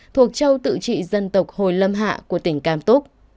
thuộc châu tự trị dân tộc hồi lâm hạ của tỉnh cà túc